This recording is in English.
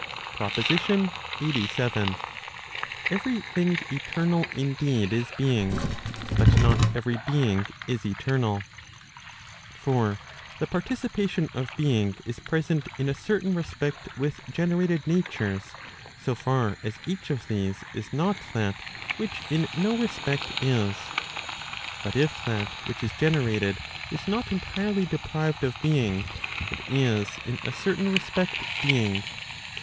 PROPOSITION LXXXVII. t Every thing eternal indeed is being, but not every being is eternal. For the participation of being is present in a certain respect with gene¬ rated natures, 1 so far as each of these is not that which in no respect is. But if that which is generated is not entirely deprived of being, it is in a certain respect being.